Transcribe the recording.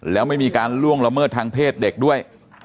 แล้วไม่มีการล่วงละเมิดทางเพศเด็กด้วย